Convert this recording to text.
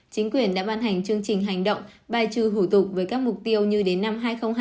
chính quyền đã ban hành chương trình hành động bài trừ hủ tục với các mục tiêu như đến năm hai nghìn hai mươi